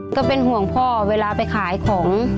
ก็เป็นห่วงพ่อเวลาไปขายของ